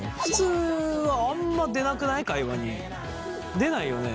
でないよね。